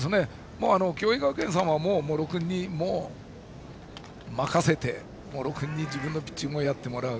共栄学園さんは茂呂君に任せて茂呂君に自分のピッチングをやってもらう。